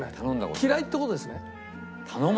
嫌いって事ですね？